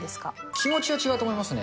気持ちは違うと思いますね。